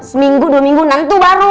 seminggu dua minggu nanti baru